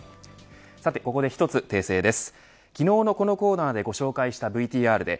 さてここで１つ訂正です。